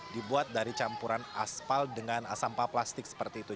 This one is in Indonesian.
dibuat dari campuran aspal dengan sampah plastik seperti itu